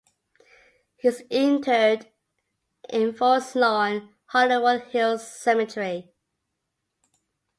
He is interred in Forest Lawn - Hollywood Hills Cemetery.